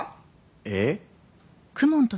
えっ？